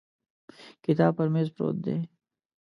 کتاب پر مېز پروت دی.